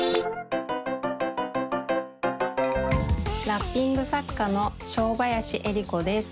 ラッピング作家の正林恵理子です。